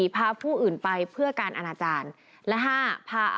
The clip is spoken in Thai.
พาผู้อื่นไปเพื่อการอนาจารย์และ๕พา